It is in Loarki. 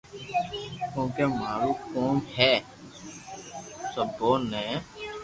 ڪونڪہ مارو ڪوم ھي سبو ني